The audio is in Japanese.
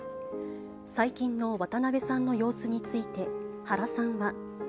最近の渡辺さんの様子について、原さんは。